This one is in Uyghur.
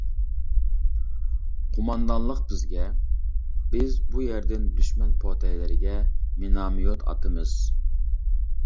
قوماندانلىق بىزگە:-بىز بۇ يەردىن دۈشمەن پوتەيلىرىگە مىناميوت ئاتىمىز.